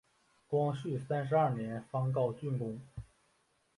光绪三十二年方告竣工。